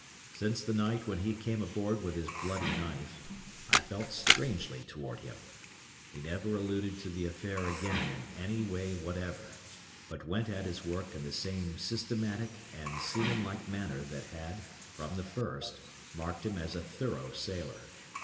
Since the night when he came aboard with his bloody knife, I felt strangely toward him. He never alluded to the affair again in any way whatever, but went at his work in the same systematic and seaman like manner that had, from the first, marked him as a thorough sailor.